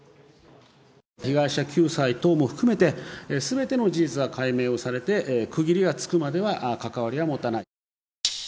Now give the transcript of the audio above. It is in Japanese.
被害者救済等も含めて、すべての事実が解明をされて区切りがつくまでは関わりは持たない。